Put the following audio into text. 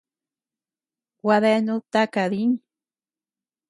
Gua deanud taka diñ.